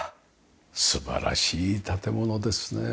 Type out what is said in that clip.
素晴らしい建物ですね。